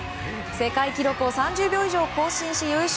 世界記録を３０秒以上更新し優勝。